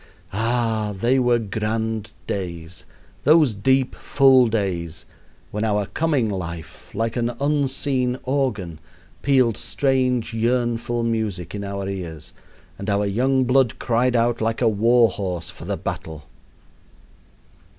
Ah! they were grand days, those deep, full days, when our coming life, like an unseen organ, pealed strange, yearnful music in our ears, and our young blood cried out like a war horse for the battle.